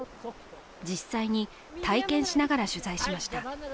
実際に体験しながら取材しました。